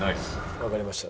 「わかりました。